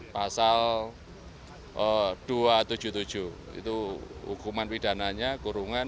pasal dua ratus tujuh puluh tujuh itu hukuman pidananya kurungan